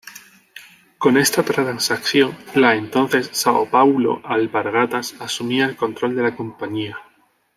Con esta transacción, la entonces São Paulo Alpargatas, asumía el control de la compañía.